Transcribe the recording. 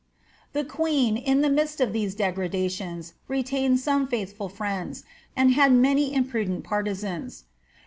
The queen, in the midst of these degrradations, retained some faithful friends, and had many imprudent partisans.